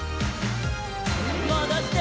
もどして。